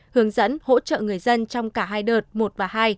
hướng dẫn hỗ trợ người dân trong cả hai đợt một và hai